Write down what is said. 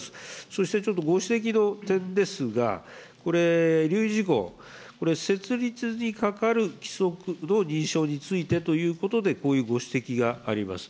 そしてちょっと、ご指摘の点ですが、これ、留意事項、これ、設立にかかる規則の認証についてということで、こういうご指摘があります。